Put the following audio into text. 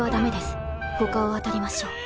他を当たりましょう。